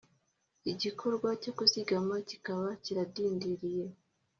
igikorwa cyo kuzigama kikaba kiradindiriye